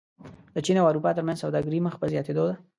د چین او اروپا ترمنځ سوداګري مخ په زیاتېدو ده.